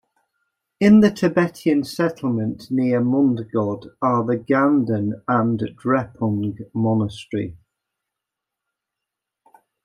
In the Tibetan settlement near Mundgod are the Ganden and the Drepung Monastery.